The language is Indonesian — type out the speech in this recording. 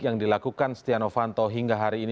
yang dilakukan setia novanto hingga hari ini